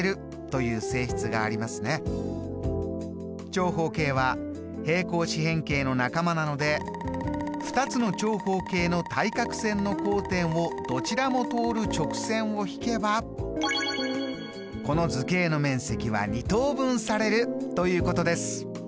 長方形は平行四辺形の仲間なので２つの長方形の対角線の交点をどちらも通る直線を引けばこの図形の面積は２等分されるということです。